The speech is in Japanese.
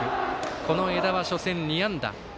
この江田は初戦、２安打。